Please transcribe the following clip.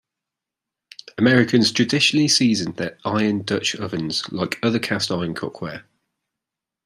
Americans traditionally season their iron Dutch ovens like other cast-iron cookware.